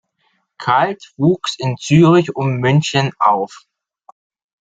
Kalt wuchs in Zürich und München auf.